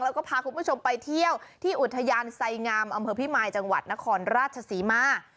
แล้วก็พาคุณผู้ชมไปเที่ยวที่อุทยานไสงามอำเภอพิมายจังหวัดนครราชศรีมา